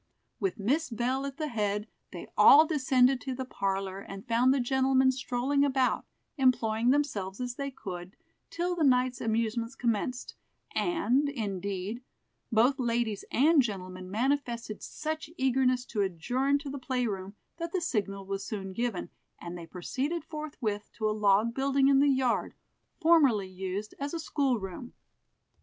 With Miss Belle at the head, they all descended to the parlor, and found the gentlemen strolling about, employing themselves as they could, till the night's amusements commenced; and, indeed, both ladies and gentlemen manifested such eagerness to adjourn to the play room, that the signal was soon given, and they proceeded forthwith to a log building in the yard, formerly used as a school room.